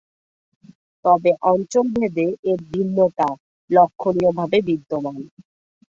তবে অঞ্চলভেদে এর "ভিন্নতা" লক্ষণীয়ভাবে বিদ্যমান।